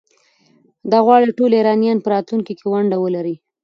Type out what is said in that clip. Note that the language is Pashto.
ده غواړي ټول ایرانیان په راتلونکي کې ونډه ولري.